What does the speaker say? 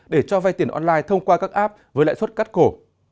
để cho vay tiền online thông qua các app với lãi suất cắt cổ